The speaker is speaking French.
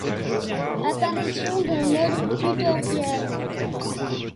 Apparition d'un mode tutorial.